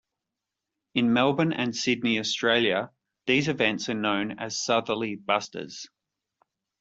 In Melbourne and Sydney, Australia these events are known as southerly busters.